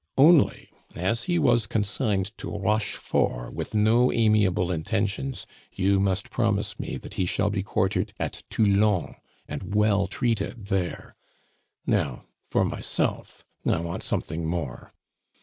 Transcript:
Only, as he was consigned to Rochefort with no amiable intentions, you must promise me that he shall be quartered at Toulon, and well treated there. "Now, for myself, I want something more.